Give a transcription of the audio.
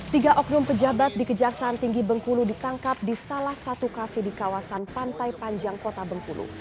tiga oknum pejabat di kejaksaan tinggi bengkulu ditangkap di salah satu kafe di kawasan pantai panjang kota bengkulu